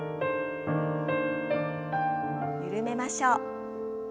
緩めましょう。